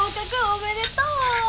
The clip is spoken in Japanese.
おめでとう！